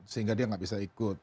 sehingga dia nggak bisa ikut